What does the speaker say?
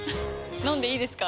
飲んでいいですか？